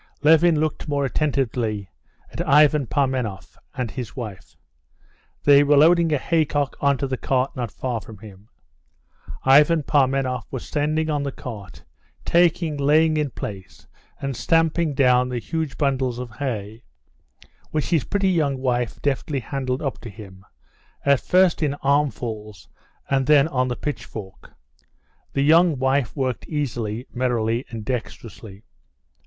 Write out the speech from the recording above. Levin looked more attentively at Ivan Parmenov and his wife. They were loading a haycock onto the cart not far from him. Ivan Parmenov was standing on the cart, taking, laying in place, and stamping down the huge bundles of hay, which his pretty young wife deftly handed up to him, at first in armfuls, and then on the pitchfork. The young wife worked easily, merrily, and dexterously.